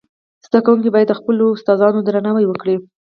زدهکوونکي باید د خپلو ښوونکو درناوی وکړي.